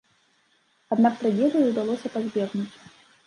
Аднак трагедыі ўдалося пазбегнуць.